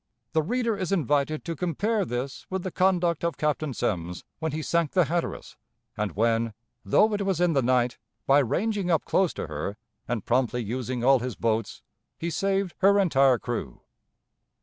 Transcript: The reader is invited to compare this with the conduct of Captain Semmes when he sank the Hatteras, and when, though it was in the night, by ranging up close to her, and promptly using all his boats, he saved her entire crew.